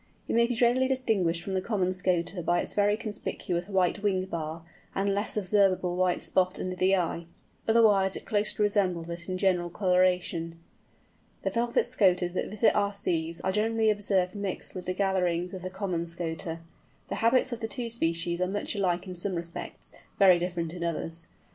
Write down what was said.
It may be readily distinguished from the Common Scoter by its very conspicuous white wing bar, and less observable white spot under the eye; otherwise it closely resembles it in general colouration. The Velvet Scoters that visit our seas are generally observed mixed with the gatherings of the Common Scoter. The habits of the two species are much alike in some respects, very different in others.